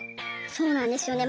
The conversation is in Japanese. そうなんですよね。